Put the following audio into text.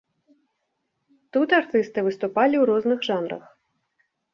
Тут артысты выступалі у розных жанрах.